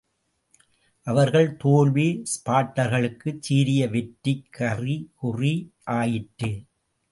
அவர்கள் தோல்வி ஸ்பார்ட்டர்களுக்குச் சீரிய வெற்றிக் கறி குறி ஆயிற்று.